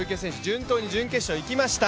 順当に準決勝いきました。